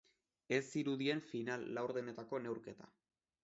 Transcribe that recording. Ez zirudien final-laurdenetako neurketa.